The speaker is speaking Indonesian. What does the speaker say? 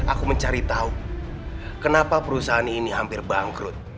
aku mencari tahu kenapa perusahaan ini hampir bangkrut